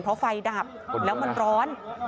เพราะไฟดับแล้วมันร้อน